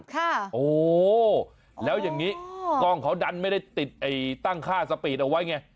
โอ้แล้วอย่างนี้กล้องเขาดันไม่ได้ติดตั้งค่าสปีดเอาไว้ไง